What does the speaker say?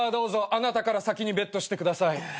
あなたから先にベットしてください。